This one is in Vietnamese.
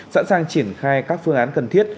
sẵn sàng triển khai các phương án cần thiết